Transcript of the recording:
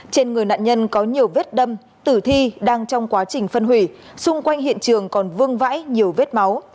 trên người nạn nhân có nhiều vết đâm tử thi đang trong quá trình phân hủy xung quanh hiện trường còn vương vãi nhiều vết máu